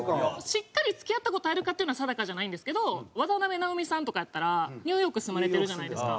しっかり付き合った事あるかっていうのは定かじゃないんですけど渡辺直美さんとかやったらニューヨーク住まれてるじゃないですか。